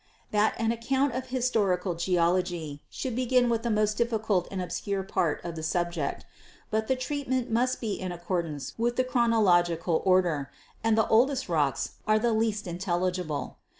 "that an account of his torical geology should begin with the most difficult and obscure part of the subject, but the treatment must be in accordance with the chronological order, and the oldest rocks are the least intelligible.